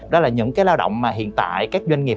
đó là những cái lao động mà hiện tại các doanh nghiệp